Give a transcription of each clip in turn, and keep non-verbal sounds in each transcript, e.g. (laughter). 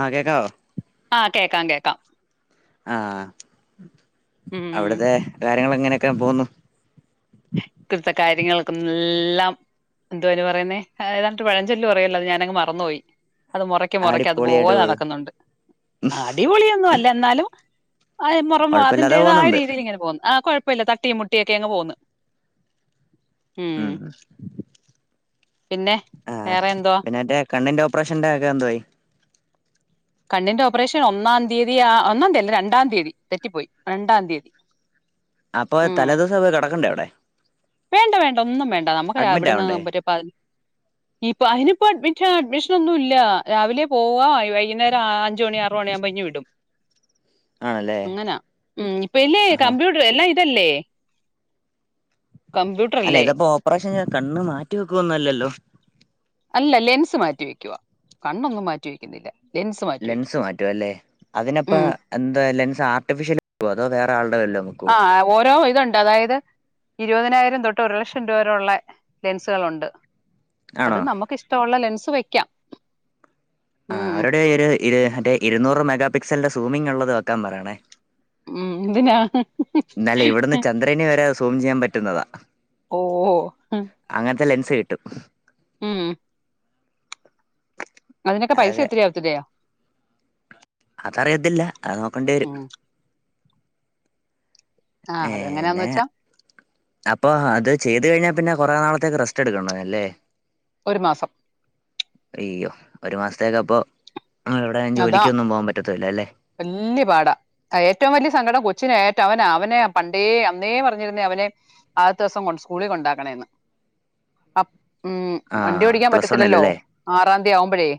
ആ കേക്കാവോ? ആഹ് കേക്കാം കേക്കാം. ആ ഉം അവിടത്തെ ങ്ങള് എങ്ങനെയൊക്കെ പോവുന്നു. ഇവിടുത്തെ കാര്യങ്ങൾക്കൊന്ന് എല്ലാം എന്തോ ഓല് പറയുന്നേ ഏതാണ്ട്ട് പഴഞ്ചൊല്ല് പറയല്ലോ അത് ഞാനങ്ങ് മറന്നുപോയി. അത് മുറക്ക് മുറക്ക് അടിപൊളിയായിട്ട് അതുപോലെ പോന്നു നടക്കുന്നുണ്ട്. അടിപൊളിയൊന്നും അല്ല എന്നാലും ആയ് മോറമോ കൊഴപ്പല്ലാതെ അതിന്റേതായ പോകുന്നുണ്ട് രീതിയിൽ ഇങ്ങനെ പോകുന്നു. ആഹ് കുഴപ്പല്ല തട്ടിയും മുട്ടിയൊക്കെ അങ്ങ് പോകുന്നു. ഉം ഉമ് പിന്നെ ആഹ് വേറെ എന്തുവാ പിന്നന്റെ കണ്ണിൻ്റെ ഒപ് പ്രഷൻ്റെ കാര്യം എന്തോയി കണ്ണിന്റെ ഓപ്പറേഷൻ ഒന്നാം തീയതി ആഹ് ഒന്നാം തീയതി അല്ല രണ്ടാം തീയതി തെറ്റിപ്പോയി രണ്ടാം തീയതി അപ്പൊ ഉം തലേദിവസം പോയി കിടക്കണ്ടേ അവിടെ? വേണ്ട വേണ്ട ഒന്നും വേണ്ട നമുക്ക് അഡ്മിറ്റ് അവുടുന്ന് ആവണ്ടേ മറ്റേ പ ഇപ്പൊ അയിനിപ്പോ അഡ്മി അഡ്മിഷൻ ഒന്നും ഇല്ല രാവിലെ പോവാ അ വൈകുന്നേരം ആഹ് അഞ്ചുമണി ആറുമണി യാകുമ്പോ ഇങ്ങ് വിടും. ആണല്ലേ അങ്ങനാ ഉമ് ഇപ്പൊ ഇല്ലേ ആഹാ കമ്പ്യൂട്ടർ എല്ലാം ഇപ്പ ഇതല്ലേ? അല്ല കമ്പ്യൂട്ടറല്ലേ ഇതപ്പോ ഓപ്പറേഷൻ കണ്ണ് മാറ്റി വെക്കുന്നല്ലല്ലോ അല്ല ലെൻസ് മാറ്റി വെക്കുവാ. കണ്ണൊന്നും മാറ്റി വെക്കുന്നില്ല. ലെൻസ് മാറ്റി വെക്കും ലെൻസ് മാറ്റുവല്ലേ. അതിനപ്പ ഉം എന്താ ലെൻസ് ആർട്ടിഫിഷ്യൽ അതോ വേറെ ആൾ ആഹ് ഓരോ ഇതോ ണ്ടതായത് ഇരുപതിനായിരം തൊട്ട് ഒരു ലക്ഷം രൂപരെഒള്ളെ ലെൻസുകളൊണ്ട്. അത് ആണോ നമ്മക്കിഷ്ടൊള്ള ലെൻസ് വെക്കാം. ആഹ് ഉം അവരോട് ഇരു ഇര് മറ്റേ ഇരുന്നൂറ് മെഗാ പിക്സല്ന്റെ സൂമിംഗ്ള്ളത് വെക്കാൻ പറയണേ. ഉം എന്തിനാ? ഇന്നാല്ലെ ഇവിട്ന്ന് ചന്ദ്രനെ വരെ സൂമ് ചെയ്യാൻ പറ്റുന്നതാ. ഓഹ് ഓഹ് ഹ് ത ലെൻസ് കിട്ടും. ഉം അതിനെക്കെ പൈസ അതൊക്കെ ഒത്തിരിയാവത്തില്ലിയോ? അതറിയത്തില്ല അത് നോക്കേണ്ടി വരും. ഉം ആ അതെങ്ങനെയാന്ന് ഏന്നെ വെച്ചാ അപ്പൊ അത് ചെയ്ത് കഴിഞ്ഞാ പിന്നെ കുറേ നാളത്തേക്ക് റെസ്റ്റ് എടുക്കണഅ ല്ലേ? ഒരു മാസം അയ്യോ? ഒരു മാസത്തേക്ക് അപ്പോ അതാ വല്യ പാടാ ഏറ്റോം വല്ല്യ സങ്കടം കൊച്ച് ച്ചിനേറ്റം അവന അവനേ പണ്ടേ അന്നേ പറഞ്ഞിരുന്നേ അവനെ ആദ്തോസം കൊണ്ട് സ്കൂളിൽ കൊണ്ടാക്കണേന്ന്. അപ്പ് ഉം ആ വണ്ടി ഓടിക്കാൻ പ്ലസ് പറ്റത്തില്ലല്ലോ. വണ്ണിലല്ലേ ആറാന്തി ആമ്പോഴേ?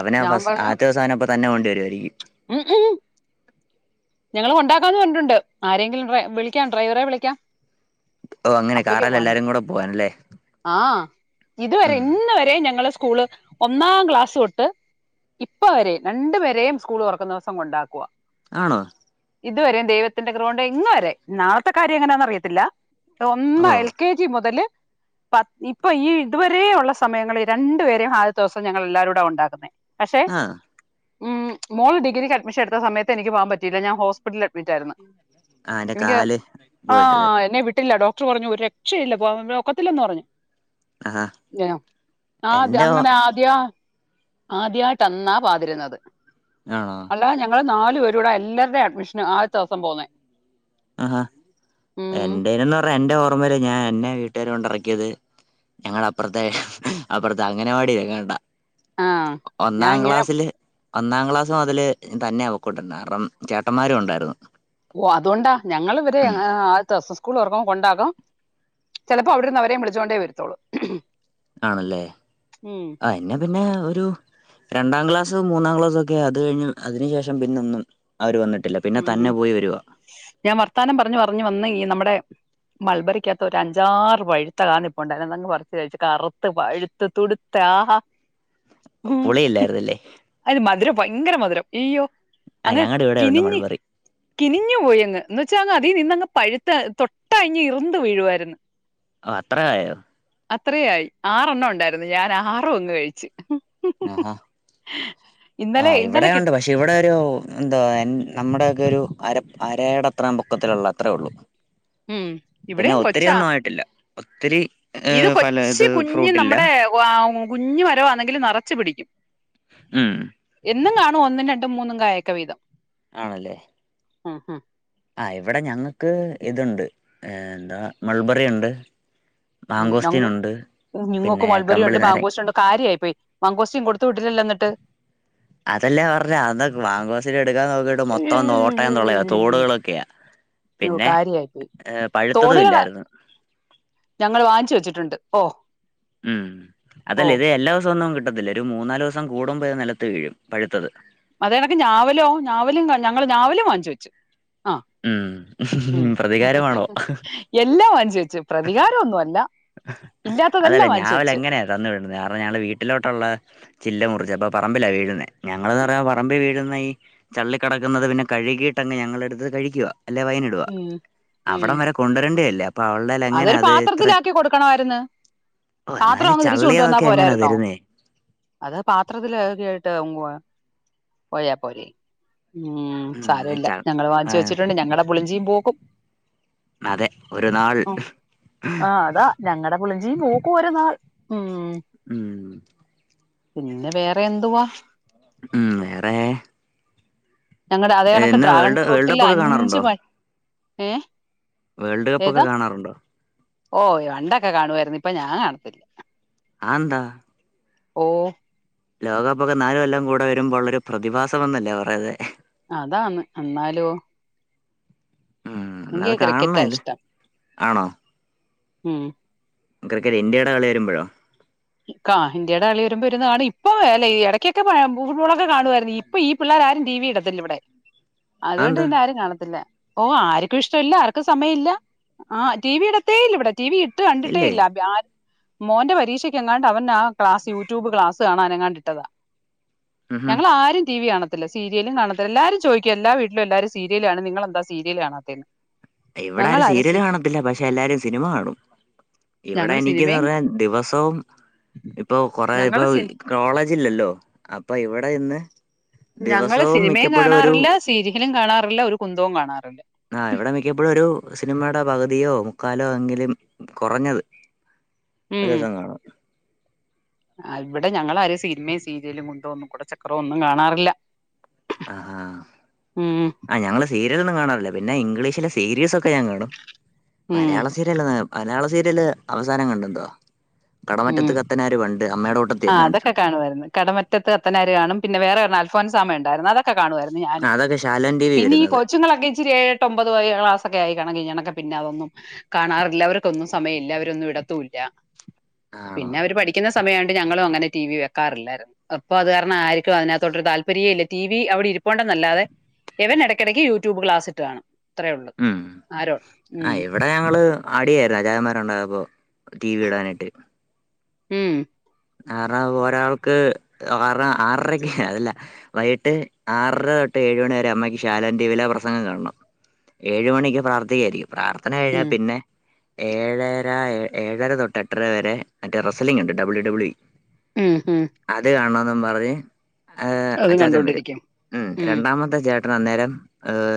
അവന ഫസ് ആത്യൊസം അവനെ അപ്പതന്നെ കൊണ്ടുവരുവാരിക്കും. ഉം ഉം ഞങ്ങള് കൊണ്ടാക്കാന്ന് പറഞ്ഞിട്ടുണ്ട്. ആരെങ്കിലും ഡ്രെ വിളിക്കാം ഡ്രൈവറെ വിളിക്കാം. ഓ അങ്ങനെ അപ്പക്ക് കാറേല് വണ് എല്ലാരും കൂടെ പോവാനല്ലേ ആഹ് ഇതുവരെ ഉം ഇന്ന് വരെ ഞങ്ങള് സ്കൂള് ഒന്നാം ക്ലാസ് തൊട്ട് ഇപ്പവരേം രണ്ടു പേരേം സ്കൂൾ തൊറക്ന്നൊസം കൊണ്ടാക്കുവ ആണോ? ഇതുവരെയും ദൈവത്തിന്റെ കൃപ കൊണ്ട് ഇന്ന് വരെ നാളത്തെ കാര്യം എങ്ങനെയാന്ന് അറിയത്തില്ല ഒന്ന ഓ എൽ കെ ജി മുതല് (inaudible) പ ഇപ്പൊ ഈ ഇതുവരെയുള്ള സമയങ്ങൾ രണ്ടു പേരെയും ആദ്യത്തെ സം ഞങ്ങൾ എല്ലാരും കൂടെ കൊണ്ടാക്കുന്നെ. പക്ഷെ ആ ഉമ് മോൾ ഡിഗ്രിക്ക് അഡ്മിഷൻ എടുത്ത സമയത്ത് എനിക്ക് പോകാൻ പറ്റ ല്ല ഞാൻ ഹോസ്പിറ്റലിൽ അഡ്മിറ്റ് ആയിരുന്നു ആ അവന്റെ എനിക്ക് കാല് പോയിട്ടല്ലേ ആഹ് എന്നെ വിട്ടില്ല ഡോ ഡോക്ടർ പറഞ്ഞു രു രക്ഷയില്ല ഒക്കത്തില്ലന്ന് പറഞ്ഞു ആഹാ യോ ആദ്യ എന്റെ ആണോ അങ്ങനെ ആദ്യാ ആദ്യയിട്ട് അന്നാ പാതിരുന്നത് അല്ലാ ഞങ്ങളെ നാലു പേര കൂടെ എ എല്ലാവരുടെയും അഡ്മിഷനും ആദ്യത്തെ ദിവസം പോകുന്നേ ആഹ് എന്റെന്ന് പറ എന്റെ ഓർമ്മല് ഞാൻ എന്നെ വീട്ടുകാര് കൊണ്ടിറക്കിയത് ഞങ്ങള അപ്പുറത്തെ അപ്പുറത്തെ അംഗന വാടി എങ്ങാണ്ടാ ആ ഞാൻ ഒന്നാം ഇങ്ങനെ ഗ്ലാസ്സിൽ. ഒന്നാം ക്ലാസ്സ് മുതല് തന്നെ അവക്കോണ്ടിരുന്നു കാരണം ചേട്ടന്മാരും ഉണ്ടായിരുന്നു. ഓ അതുകൊണ്ടാ ഞങ്ങളെ ഇവരെ ആദ്യത്തെ ദിവസ സ്കൂൾ തുറക്കുമ്പോ കൊണ്ടാകാം ചിലപ്പോ അവിടെന്ന് അവരേ വിളിച്ചോൊണ്ടേ വരുത്തുള്ളൂ ആണല്ലേ ആ എന്നെ പിന്നെ ഒരു രണ്ടാം ക്ലാസ്, മൂന്നാം ക്ലാസ്, ഒക്കെ അത് കഴിഞ് അതിനു ശേഷം പിന്നൊന്നും അവർ വന്നിട്ട്- ഉം ഞാൻ വർത്താനം പറഞ്ഞു പറഞ്ഞു വന്ന് ഈ നമ്മുടെ (unintelligible) മൾബറിക്കകത്ത് ഒരു അഞ്ചാറ് വഴുത്ത കണ ഇപ്പ ഉണ്ടായിങ്ങ് പറിച്ച് കഴിച്ച് കറുത്ത് വഴുത്ത് തുടുത്ത് പുളിയില്ലായിരുന്നല്ലേ അത് ആ മധുരം ഭയങ്കര മധുരം അയ്യോ ആ ആ ഞങ്ങളുടെ ഇവിടെ ഉണ്ട് മൾബറി. കിനിഞ്ഞു പോയി അങ് എന്ന് വെച്ചാ അങ്ങ് അതീ നിന്നങ്ങ് പഴുത്ത് തൊട്ട അഞ് ഇറന്ത്‌ വീഴുവായിരുന്നു. അത്രയായോ? അത്രയായി ആറെ എണ്ണം ഉണ്ടായിരുന്നു ഞാൻ ആറും അങ്ങ് കഴിച്ച്. ആ ആഹഹ ആ് ഇന്നലെ ഇന്നലെ ഇവിടെ ഉണ്ട് കിട്ടി പക്ഷെ ഇവിടെ ഒരു എന്തോ അ നമ്മുടെയൊക്കെ ഒരു അര അരയുടെ അത്രയും പൊക്കത്തിലുള്ള അത്രേ ഉള്ളു. ഉം പിന്നെ ഇവിടെയും ഒത്തിരി കൊച്ചാ ഒന്നും ആയിട്ടില്ല ഒത്തിരി ഇത് ഏഹ് ഫല ഇത് കൊച്ചു കുഞ്ഞ് ഫ്രൂട്ടില്ല നമ്മുടെ കുഞ് വരോന്നെങ്കിൽ നിറച്ച് പിടിക്കും. ഉം എന്നും കാണും ഒന്നും രണ്ടും മൂന്നും കായൊക്കെ വീതം. ആണല്ലേ? ആഹ് ഹഹ ആഹ് ഇവിടെ ഞങ്ങൾക്ക് ഇതുണ്ട് എന്താ മൾബറിയുണ്ട് മാങ്കോസ്തീനുണ്ട്. ങ്ങങ്ക്ക് പിന്നെ മൾബറി ഉണ്ട് കമ്പിളി നാരൻ മാങ്കോശ ഉണ്ട് കാര്യയി പോയി മാങ്കോസ്റ്റ് കൊടുത്തു വിട്ടില്ലല്ലോ ന്നിട്ട് അതല്ലേ പറഞ്ഞ അ മാങ്കോസ്റ്റ് എടുക്കാൻ നോക്കിയിട്ട് മൊത്തം നോട്ടം തൊളയാ തൊടുകളൊക്കെയാ അയ്യോ പിന്നെ കാര്യായി പോയി പഴുത്തതും ഇല്ലായിരുന്നു. ഞങ്ങള് വാങ്ങിച്ച് വെച്ചിട്ടുണ്ട്. ഓ ഉം ഓ അതല്ല ഇത് എല്ലാ ദിവസൊന്നും കിട്ട ഇതിലൊരു ഒരു മൂന്നാല് ദിവസം കൂടുമ്പോ നിലത്ത് വീഴും പഴുത്തത് അതേനക്ക് ഞാവലോ ഞാവലും ഞങ്ങള് ഞാവലും വാങ്ങിച്ചു വച്ചു. ആഹ ഉം ഉം എല്ലാ വ പ്രതികാരമൊന്നുല്ല അതല്ലേ ഞാവൽ എങ്ങനെയാ തന്നു വിടുന്നത് കാരണം ഞങ്ങടെ വീട്ടിലോട്ടുള്ള- ചില്ല മുറിച്ച അപ്പോൾ പറമ്പിലാണ് വീഴുന്നത് ഞങ്ങളന്ന് പറയാ പറമ്പിൽ വീഴുന്ന ഈ ചള്ളി കടക്കുന്നത് പിന്നെ കഴുകി. ഞങ്ങളെടുത്ത് കഴിക്കുക അല്ലെ വയിനിടുവ ഉം ഉം അവിടം വരെ കൊണ്ട്രെണ്ടി വരില്ലേ അപ്പോ അതൊരു പാത്രത്തിലാക്കി കൊടുക്കണായിര്ന്ന് ഓ പത്രം എന്നാലും അങ്ങ് തിരിച്ചു കൊണ്ട് വന്നാ ചള്ളിയതൊക്കെ എങ്ങനാ പോരായിരുന്നോ തരുന്നേ അത് ആ പാത്രത്തിലാക്കിയിട്ട് ഉമ്‌വ പോയ പോരേ ഉം സാരോല്ല ഞങ്ങള് വാങ്ങിച്ചു ആഹ് വെച്ചിട്ടുണ്ട് ഞങ്ങളുടെ പുളിഞ്ജി യും പൂക്കും അതെ ഒരു നാൾ ആ് അതാ ഞങ്ങളടെ പുളിഞ്ചീ പുക്കും ഒരു നാൾ ഉം ഉം പിന്നെ വേറെ എന്തുവാ ഉം വേറേ ഞങ്ങളുടെ അത കണക്ക് ഡ്രാഗൺ വേൾഡ് ഫ്രൂട്ടില് കപ്പൊക്കെ അഞ്ച് കാണാറുണ്ടോ പഴി ഏ വേൾഡ് കപ്പ് ഒക്കെ ഏതാ കാണാറുണ്ടോ ഓ വണ്ടൊക്കെ കാണുവായിരുന്നു ഇപ്പൊ ഞാൻ കാണത്തില്ല അഎന്താ ഓ ലോകകപ്പ് ഒക്കെ നാലു കൊല്ലം കൂടെ വരുമ്പോ ഉള്ളൊരു പ്രതിഭാസമെന്നല്ലേ പറയ്ന്നെ അതാന്ന് എന്നാലോ ഉം ന്ക്ക് അത് കാണണം ക്രിക്കറ്റാ ഇത് ഇഷ്ടം ആണോ ഉം ക്രിക്കറ്റ് ഇന്ത്യയുടെ കളി വരുമ്പോഴോ ഇക്കാ ഇന്ത്യാടെ കളി വരുമ്പോ ഒരു കറി ഇപ്പൊ ഇടക്കൊക്കെ ഫുട്ബോളൊക്കെ കാണുവായിരുന്നു ഇപ്പൊ ഈ പിള്ളേ ടെ ആരും ടിവി ഇടത്തില്ല ഇവിടെ (inaudible) അതോൻണ്ട് പിന്നെ ആരും കാണത്തില്ല ഓ ആർക്കും ഇഷ്ടല്ല ആർക്കും സമയല്ല ആ ടി വി ഇടത്തേയില്ല ഇവിടെ ടി വി ട്ട് കണ്ടിട്ടേ ഇല്ലേ ഇല്ല പ്യാർ മോന്റെ പരീക്ഷ എങ്ങാണ്ട് അവൻ ആ ക്ലാസ് യൂട്യൂബ് ക്ലാസ് കാണാൻ എങ്ങാണ്ട് ഇട്ടതാ ഉംഹ് ഞങ്ങൾ ആരും ടി വി കാണ ത്തില്ല സീരിയലും കാണത്തില്ല എല്ലാരും ചോയ്ക്കും എല്ലാ വീട്ടിലും എല്ലാരും സീരിയല് കാണും നിങ്ങളെന്താ സീരിയല് കാണാത്തേ ന്ന് ഇവിടെ ആരും സീരിയല് കാണത്തില്ല പക്ഷെ എല്ലാരും സിനിമ കാണും ഇവിടെ ഞങ്ങള് എനക്ക്ന്ന് സിനിമയും പറഞ്ഞ ദിവസം പ്പോ ഇപ്പൊ കൊറേ ഇപ്പൊ ഞങ്ങള് സി കോളേജില്ലല്ലോ അപ്പൊ ഇവിടെ ഇന്ന് ഞങ്ങള് ദിവസവും സിനിമേം മിക്കപ്പോഴും ഒരു കാണാറില്ല സീരിയെലും കാണാറില്ല ഒരു കുന്തവും കാണാറില്ല ആ ഇവിടെ മിക്കപ്പോഴും ഒരു സിനിമയുടെ പകുതിയോ മുക്കാലോ എങ്കിലും കുറഞ്ഞത് ഒരുസം കാണ ആ ഇവിടെ ഞങ്ങളാരും സിനിമയും സീരിയലും കുന്തോന്നും കുട്ചക്രവ്വൊന്നും കാണാറില്ല ആഹാ ഉം ആ ഞങ്ങള് സീ സീരിയൊന്നും കാണാറില്ല പിന്നെ ഇംഗ്ലീഷിലെ സീരീയസൊക്കെ ഞാൻ കാണും ഉം മലയാളം സീരിയല് മലയാള സീരിയല് അവസാനം കണ്ടുണ്ടോ കടമറ്റത്ത് കത്തനാർ വണ്ട് ആഹ് അതൊക്കെ കാണുവായിരുന്ന് കടമറ്റത്ത് കത്തനാര് കാണും പിന്നെ വേറെ ഒരെണ്ണം അൽഫോൻസാമ ഉണ്ടായിരുന്നു അതക്കെ ഒക്കെ കാണുയിരുന്നു ആ, ഞാനും അതൊക്കെ ശാലൻ ടി വി ക്കെ വരുന്നത് ആയി കണക്കി എണക്ക പിന്നെ അതൊന്നും കാണാറില്ല അവർക്കൊന്നും സമയല്ല അവരൊന്നും വിടത്തൂല്ല ആണോ പിന്നെ അവര് പഠിക്കുന്ന സമയാണ് ഞങ്ങളും അങ്ങനെ ടി വി വെക്കാറില്ലായിരുന്നു അപ്പൊ അത് കാരണം ആരിക്കും അതിനകത്തൊട്ട് താല്പര്യെല്ല ടി വി അവിടെ ഇരിപ്പുണ്ടെന്ന അല്ലാതെ എവൻ ഇടയ്ക്കിടക്ക് യൂട്യൂബ് ക്ലാസിട്ട് കാണും അത്രേ ഒള്ളൂ ഉം ആരോ ആ ഇവിടെ ഞങ്ങള് അടിയായിരുന്നു അചായന്മാരുണ്ടായപ്പോ ടി വി ഇടാനായിട്ട് ഹ്മ് ആറ ഒരാൾക്ക് ആറ ആറരക്ക് അതല്ല വൈകിട്ട് ആററൊട്ട് ഇപ്പ ഏയ്‌ മണി വരെ അമ്മയ്ക്ക് ശാലോം ടിവിയിലെ പ്രസംഗം കാണണം ഏഴുമണിക്ക് പ്രാർത്ഥിക്കായിരിക്കും പ്രാർത്ഥന കഴിഞ്ഞാ ഉം പിന്നെ ഏഴര ഏഴര തൊട്ട് എട്ടര വരെ മറ്റേ റസലിംഗ് ണ്ട് മറ്റേ ഡബ്ള്യൂ ഡബ്ള്യു ഉം ഉം അത് കാണോന്നും പറഞ്ഞ് ഹ് അതും അച്ചാച്ചൻ വരും. കണ്ടോണ്ടിരിക്കും ഉം രണ്ടാമത്തെ ചേട്ട അന്നേരം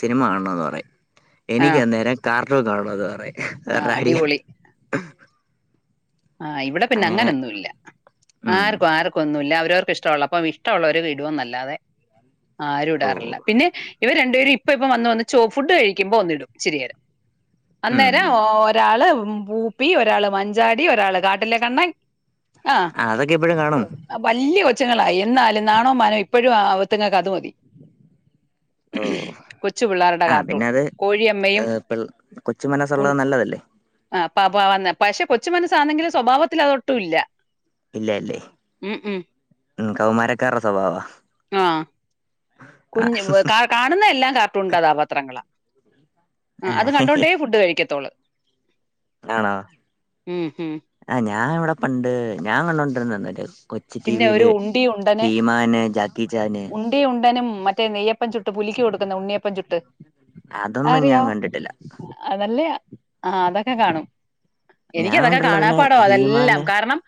സിനിമ കാണണംന്ന് പറയും, എനിക്ക് അന്നേരം കാർട്ടൂൺ കാണന്ന് പറയും. ആഹ് വേറെ അടിയാ അടിപൊളി. ആഹ് ഇവിടെ പിന്നെ അങ്ങനെ അങ്ങനൊന്നുംല്ല. ഉം ആർക്കും ആർക്കുക്കൊന്നുമില്ല, അവരവർക് ഇഷ്ടവുള്ളപ്പം ഇഷ്ടമുള്ളവരെ വിടുവെന്നല്ലാതെ. ആരും ഓ ഇടാറില്ല. പിന്നെ ഇവര് രണ്ടു പേരും ഇപ്പ ഇ ഇപ്പ വന്ന് വന്ന് ചോ ഫുഡ് കഴിക്കുമ്പോ ഒന്നിടും ഇച്ചിരിയേരം. ഉം അന്നേരം ഒരാള് ഉ പൂപ്പി, ഒരാള് മഞ്ചാടി, ഒരാള് കാട്ടിലേ കണ്ണൻ അതൊക്കെ ഇപ്പഴും കാണും ആവലിയ കൊച്ച് ച്ച്ങ്ങളായി എന്നാലും നാണോ മാനോം, ഇപ്പഴും അവത്ത്ങ്ങക്ക് അത് മതി. ഓ കൊച്ചു പിള്ളാരുടെ ആഹ് കാട്ടൂൺ. പിന്നെ അത് കോഴിയമ്മയും ഏഹ് പിൾ കൊച്ചു ഉൺ മനസ്സുള്ളത് നല്ലതല്ലേ ആ പബ വന്നെ പക്ഷെ കൊച്ചു മനസ്സാണെങ്കിലും സ്വഭാവത്തിൽ അതൊട്ടുല്ല. ഇല്ല ല്ലേ? ഉം കൗമാരക്കാരടെ സ്വഭവാ.. കുഞ് കാ കാണുന്നതെല്ലാം കാർട്ടൂൺ കഥാപത്രങ്ങള. ആ അത് ആഹ് കണ്ടോണ്ടേ ഫുഡ് കഴിക്കത്തോള്ള്. ആണോ? ഉം ഉം ആ ഞാൻ ഇവിടെ പണ്ട് ഞാൻ കണ്ടോണ്ടിരന്നന്താ കൊച് പിന്നെ ടിവിയില് ഹീമാന്, ജാക്കിച്ചാ ഉണ്ടീം ഉണ്ടനും മറ്റേ നെയ്യപ്പം ചുട്ട് പുലിക്ക് കൊടുക്കുന്ന ഉണ്ണിയപ്പം ചുട്ട്. അതൊന്നും അറിയാ ഞാൻ കണ്ടിട്ടില്ല അതല്ലയാ ആ അതൊക്കെ കാണും. ഞാൻ എനിക്കതൊക്കെ കണ്ടുള്ള പിന്നെ കാണാപാടാ അതെല്ലാം ഹീമാന് കാരണം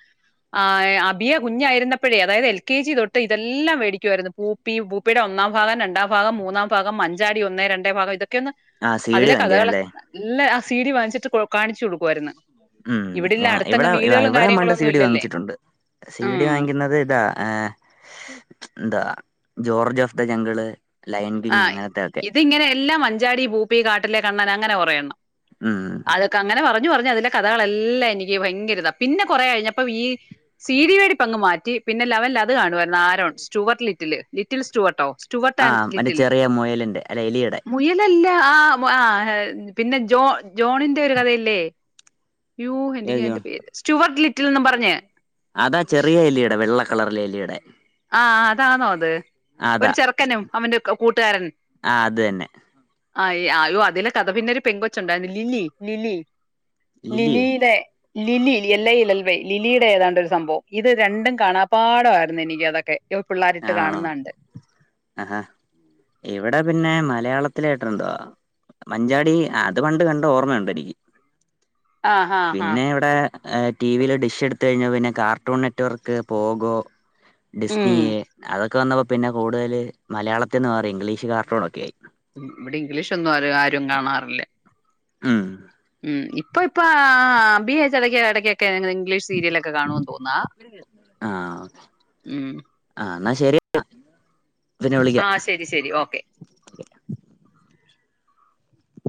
ആ അബിയ കുഞ്ഞായിരുന്നപ്പഴേ അതായത് എൽ കെ ജി തൊട്ട് ഇതെ ല്ലാം വേടിക് ക്കായിരുന്ന്. പൂപ്പി, പൂപ്പിയുടെ ഒന്നാം ഭാഗം, രണ്ടാം ഭാഗം, മൂന്നാം ഭാഗം, മ ഞ്ചാടി ഒന്നേ, രണ്ടേ ഭാഗം ഇതൊക്കെ ക്കന്ന് ആ സി ഡി അതിലെ വാങ്ങിക്കാനല്ലേ കഥകളൊക്കെ നല്ല ആ സീഡി വാങ്ങിച്ചിട്ട് കാണിച് കൊടുക്കുവായിരുന്ന്. ഉം ഞാ വിടെ വിടേം കാര്യങ്ങളും പണ്ട് ഒന്നും സീഡി ഇല്ലല്ലേ വാങ്ങിച്ചിട്ടുണ്ട്. സീഡി ഉം വാങ്ങിക്കുന്നത് ഇതാ ഏഹ് മച്ച് എന്താ. George of the jungle lion king അങ്ങനത്തെ ഒക്കെ ആഇതിങ്ങനെ എല്ലാം മഞ്ചാടി, പൂപ്പി, കാട്ടിലെ കണ്ണൻ അങ്ങനെ കുറെ എണ്ണം. ഉം അതൊക്കെ അങ്ങനെ പറഞ്ഞ പറഞ്ഞു പറഞ്ഞതിലെ കഥകളെല്ലാം എനിക്ക് വയങ്കര ഇത പിന്നെ കൊറെ കഴിഞ്ഞപ്പ ഈ സീഡി വേടിപ്പങ്‌ മാറ്റി. പിന്നെ ലെവൻ ലത് കാണുമായിരുന്നു. ആരോൺ സ്റ്റുവർട്ട്ലിറ്റിൽ, ലിറ്റിൽ സ്റ്റുവർട്ടോ, സ്റ്റുവർട്ട് ആ ആൻ് ലിറ്റിൽ മറ്റേ ചെറിയ മൊയലിൻ്റെ അല്ല എലിയുടെ. മുയലല്ല ആ ആ പിന്നെ ജോ ജോണിന്റെ ഒരു കഥയില്ലേ? യോ. ഏത് എന്ത്ക്കാ ആയിന്റെ ജോ- പേര് സ്റ്റുവർട്ട് ലിറ്റിൽന്നും പറഞ്. അതാ ചെറിയ എലിയടെ വെള്ള കളറിലെ എലിടെ. ആആ അതാണോ? അത് ഒരു അതാ ചെറുക്കനും അവന്റെ കൂട്ടുകാരൻ. അതന്നെ. ആ അയ്യോ അതിലെ കഥ പിന്നെ ഒരു പെങ്കൊച്ചുണ്ടായിരുന്നു ലില്ലി ലില്ലി. ലില്ലിയോ ലില്ലിലെ ലിലിയിൽ എല്ലൽ. എൽവൈ ലില്ലിയുടെ ഏതാണ്ട് ഒരു സംഭവം ഇത് രണ്ടും കാണാപ്പാടായിരുന്നു എനിക്ക തൊക്കെ. ഇ പിള്ളേരിട്ട് ആണോ കാണുന്നുണ്ട്. ആഹാ ഇവിടെ പിന്നെ മലയാളത്തിലായിട്ടുണ്ടോ? മഞ്ചാടി അത്പണ്ട് കണ്ട ഓർമയുണ്ടെ നിക്ക്. ആ ഹാ ഹാ പിന്നെ ഇവിടെ ടിവിൽ ഡിഷ് എടുത്ത കഴിഞ്ഞ പിന്നെ കാർട്ടൂൺ നെറ്റ്വർക്ക്, പോകോ ഉം ഡിസ്നിയ അതൊക്കെ വന്നപ്പോ പിന്നെ കൂടുതൽ മലയാളത്തിന്ന് മാറി ഇംഗ്ലീഷ് കാർട്ടൂണൊക്കെയായി. ഇവിടെ ഇംഗ്ലീഷൊന്നും ആ ആരും കാണാറില്ല. മ്ഹ് ഉം ഇപ്പൊ പ്പോ ബി എച്ച് ഇട ഇടക്കൊക്കെ ഇംഗ്ലീഷ് സീരിയലൊക്കെ കാണോ തോന്നാ ഉമ് ന്നാ ശരി ന്ന ആഹ് ശരി ശരി ഓക്കെ.